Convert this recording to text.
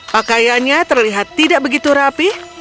pakaiannya terlihat tidak begitu rapi